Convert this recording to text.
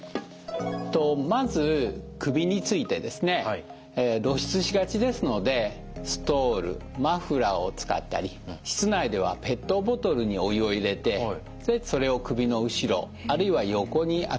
まず首についてですね。露出しがちですのでストールマフラーを使ったり室内ではペットボトルにお湯を入れてそれを首の後ろあるいは横に当てると血管が温まりますよね。